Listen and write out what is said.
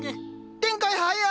展開早っ！